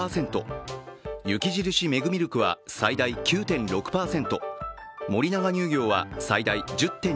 雪印メグミルクは最大９．６％、森永乳業は最大１０．２％